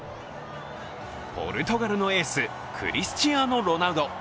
ポルトガルのエース、クリスチアーノ・ロナウド。